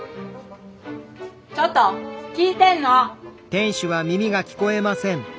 ちょっと聞いてんの！？